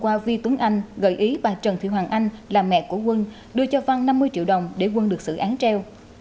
qua vi tuấn anh gợi ý bà trần thị hoàng anh là mẹ của quân đưa cho văn năm mươi triệu đồng để quân được xử án treo